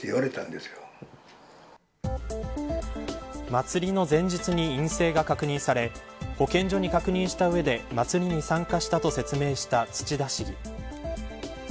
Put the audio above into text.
祭りの前日に陰性が確認され保健所に確認した上で祭りに参加したと説明した土田市議。